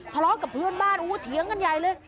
ทะเลาะกับเพื่อนบ้านอู้เดี๋ยวกันยายเลย